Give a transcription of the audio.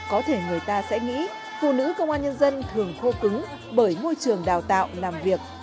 có thể người ta sẽ nghĩ phụ nữ công an nhân dân thường khô cứng bởi môi trường đào tạo làm việc